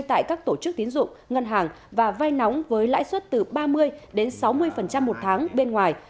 tại các tổ chức tín dụng ngân hàng và vai nóng với lãi suất từ ba mươi đến sáu mươi một tháng bên ngoài